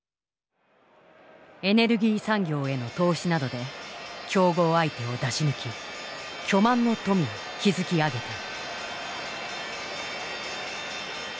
エネルギー産業への投資などで競合相手を出し抜き巨万の富を築き上げた。